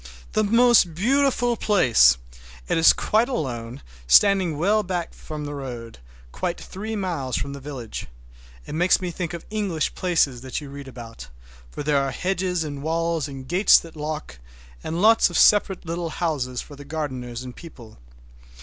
The most beautiful place! It is quite alone, standing well back from the road, quite three miles from the village. It makes me think of English places that you read about, for there are hedges and walls and gates that lock, and lots of separate little houses for the gardeners and people.